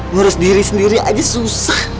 ngurus diri sendiri aja susah